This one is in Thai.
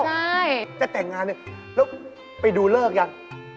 ไม่เคยมีแมวอะไรกัน